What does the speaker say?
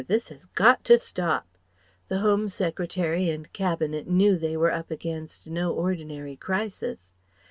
This has GOT TO STOP," the Home Secretary and the Cabinet knew they were up against no ordinary crisis.